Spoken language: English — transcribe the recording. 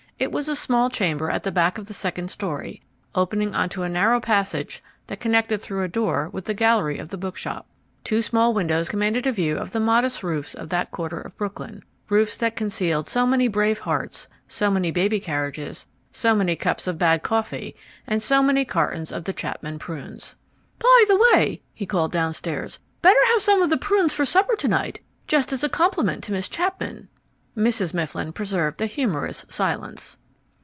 It was a small chamber at the back of the second storey, opening on to a narrow passage that connected through a door with the gallery of the bookshop. Two small windows commanded a view of the modest roofs of that quarter of Brooklyn, roofs that conceal so many brave hearts, so many baby carriages, so many cups of bad coffee, and so many cartons of the Chapman prunes. "By the way," he called downstairs, "better have some of the prunes for supper to night, just as a compliment to Miss Chapman." Mrs. Mifflin preserved a humorous silence.